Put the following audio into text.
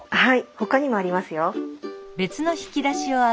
ほかにもありますよ。